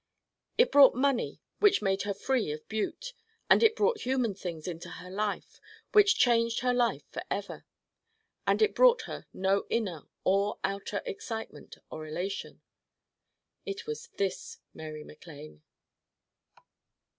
It brought money which made her free of Butte and it brought human things into her life which changed her life forever. And it brought her no inner or outer excitement or elation. It was this Mary MacLane.